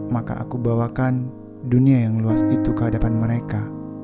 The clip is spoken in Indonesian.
maka aku bawakan dunia yang luas itu ke hadapan mereka